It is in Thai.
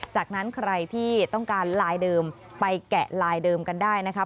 จากนั้นใครที่ต้องการไลน์เดิมไปแกะลายเดิมกันได้นะครับ